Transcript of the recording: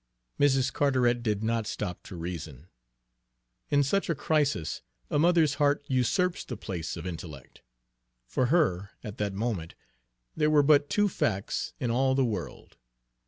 Mrs. Carteret did not stop to reason. In such a crisis a mother's heart usurps the place of intellect. For her, at that moment, there were but two facts in all the world.